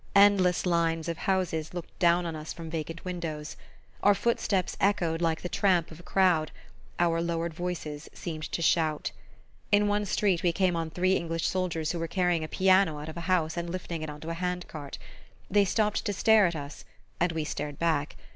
Endless lines of houses looked down on us from vacant windows. Our footsteps echoed like the tramp of a crowd, our lowered voices seemed to shout. In one street we came on three English soldiers who were carrying a piano out of a house and lifting it onto a hand cart. They stopped to stare at us, and we stared back.